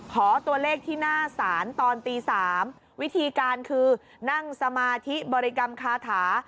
ขอตัวเลขที่หน้าศาลตอนตี๓วิธีการคือนั่งสมาธิบริกรรมคาถา